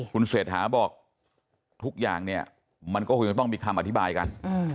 คุณเศรษฐาบอกทุกอย่างเนี่ยมันก็คงจะต้องมีคำอธิบายกัน